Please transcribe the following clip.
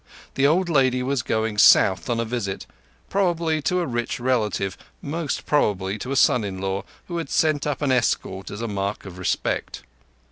The old lady was going south on a visit—probably to a rich relative, most probably to a son in law, who had sent up an escort as a mark of respect.